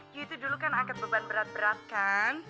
iyu tuh dulu kan angkat beban berat berat kan